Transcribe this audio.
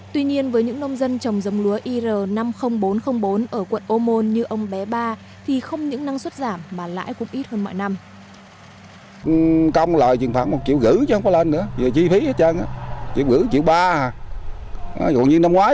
tuy nhiên với những nông dân trồng dấm lúa ir năm mươi nghìn bốn trăm linh bốn ở quận ô môn như ông bé ba thì không những năng suất giảm mà lãi cũng ít hơn mọi năm